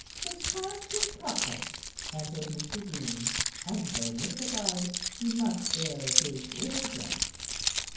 "'The Constant Couple'?" echoed Mr. Green, and though mystified, he must air his little jest.